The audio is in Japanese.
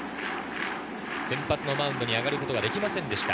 先発のマウンドに上がることができませんでした。